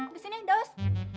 ke sini daos